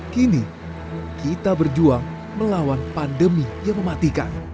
kini kita berjuang melawan pandemi yang mematikan